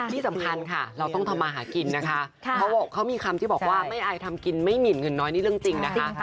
ที่สำคัญค่ะเราต้องทำมาหากินนะคะเขามีคำที่บอกว่าไม่อายทำกินไม่หมินเงินน้อยนี่เรื่องจริงนะคะ